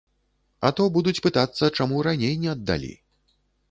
А то будуць пытацца, чаму раней не аддалі.